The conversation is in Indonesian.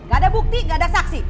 gak ada bukti nggak ada saksi